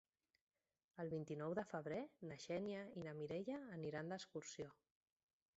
El vint-i-nou de febrer na Xènia i na Mireia aniran d'excursió.